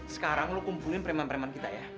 sekarang lo kumpulin preman preman kita ya